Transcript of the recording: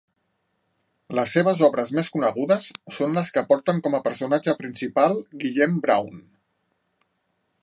Les seves obres més conegudes són les que porten com a personatge principal Guillem Brown.